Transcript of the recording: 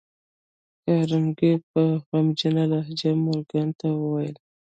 کارنګي په غمجنه لهجه مورګان ته وویل